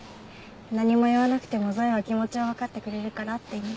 何も言わなくてもゾイは気持ちをわかってくれるからって意味です。